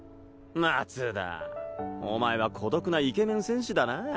松田お前は孤独なイケメン戦士だな。